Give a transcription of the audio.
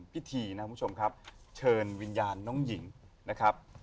พิธีนะครับคุณผู้ชมครับเชิญวิญญาณน้องหญิงนะครับ